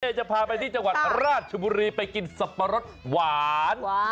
จะพาไปที่จังหวัดราชบุรีไปกินสับปะรดหวาน